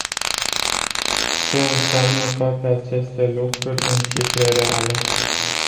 Ce înseamnă toate aceste lucruri în cifre reale?